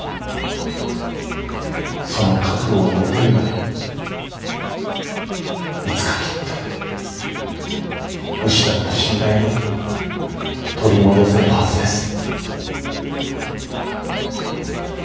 その覚悟を持てるならいつかきっと失った信頼を取り戻せるはずです。